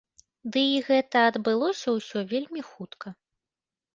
Ды і гэта адбылося ўсё вельмі хутка.